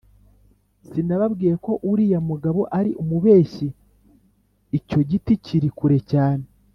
Sinababwiye ko uriya mugabo ari umubeshyi. Icyo giti kiri kure cyane